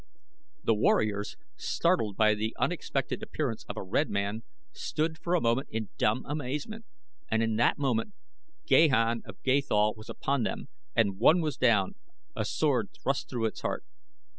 The warriors, startled by the unexpected appearance of a red man, stood for a moment in dumb amazement, and in that moment Gahan of Gathol was upon them, and one was down, a sword thrust through its heart.